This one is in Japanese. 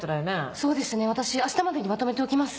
そうですね私あしたまでにまとめておきます。